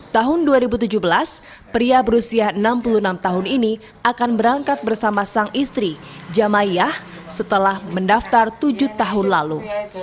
tahun dua ribu tujuh belas pria berusia enam puluh enam tahun ini akan berangkat bersama sang istri jamayah setelah mendaftar tujuh tahun lalu